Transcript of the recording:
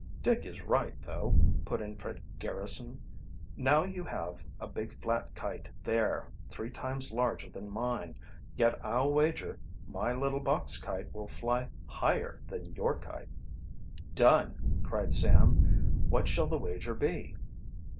"Dick is right, though," put in Fred Garrison. "Now you have a big flat kite there, three times larger than mine. Yet I'll wager my little box kite will fly higher than your kite." "Done!" cried Sam. "What shall the wager be?"